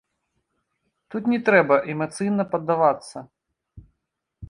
Тут не трэба эмацыйна паддавацца.